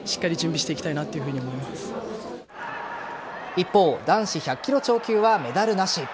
一方男子１００ｋｇ超級はメダルなし。